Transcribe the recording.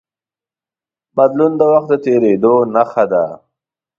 بدلون د وخت د تېرېدو نښه ده.